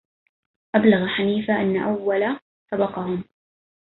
أبلغ حنيفة أن أول سبقهم